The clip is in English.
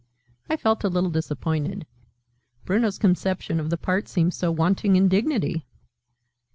I felt a little disappointed: Bruno's conception of the part seemed so wanting in dignity.